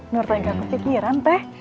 nur tak akan kepikiran teh